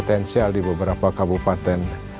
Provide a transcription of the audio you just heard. bagaimanapun juga perhampuannya ripped kita ini